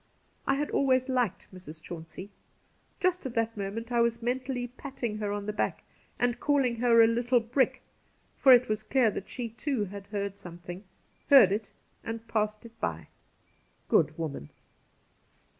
I had always liked Mrs. Chauncey. Just at that moment I was mentally patting her on the back and calling her ' a little brick,' for it was clear that she too had heard something^ — heard it and passed it by. Good woman